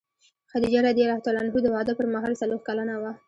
خدیجه رض د واده پر مهال څلوېښت کلنه وه.